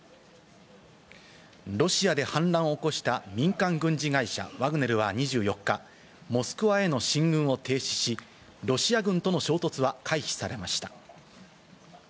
ロシアで反乱を起こした民間軍事会社ワグネルは２４日、モスクワへの進軍を停止し、ロシア軍との衝突は回避されました。